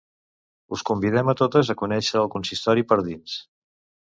us convidem a totes a conèixer el consistori per dins